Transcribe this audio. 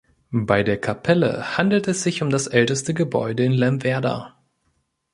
Bei der Kapelle handelt es sich um das älteste Gebäude in Lemwerder.